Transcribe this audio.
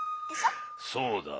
そうだ。